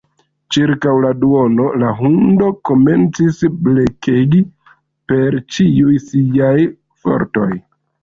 Ĉirkaŭ la duono, la hundo komencis blekegi per ĉiuj siaj fortoj.